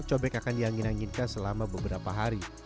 cobek akan di angin anginkan selama beberapa hari